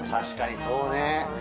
確かにそうね。